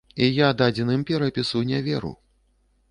І я дадзеным перапісу не веру.